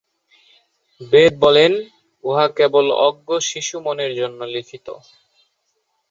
বেদ বলেন, উহা কেবল অজ্ঞ শিশু-মনের জন্য লিখিত।